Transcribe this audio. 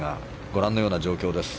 ご覧のような状況です。